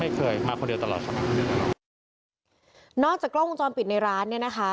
ไม่เคยมาคนเดียวตลอดคนเดียวตลอดนอกจากกล้องวงจรปิดในร้านเนี่ยนะคะ